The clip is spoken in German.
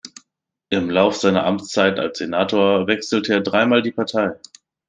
Im Lauf seiner Amtszeit als Senator wechselte er dreimal die Partei.